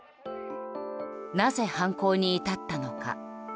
なぜ犯行に至ったのか。